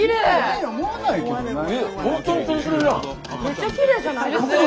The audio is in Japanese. めっちゃきれいじゃないですか！